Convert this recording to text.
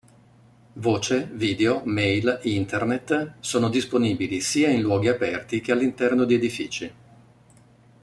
Voce, video, mail, internet, sono disponibili sia in luoghi aperti che all'interno di edifici.